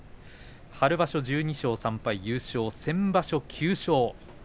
春場所１２勝３敗優勝先場所９勝